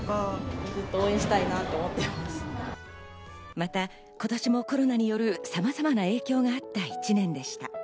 また今年もコロナによるさまざまな影響があった１年でした。